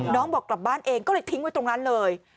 บอกกลับบ้านเองก็เลยทิ้งไว้ตรงนั้นเลย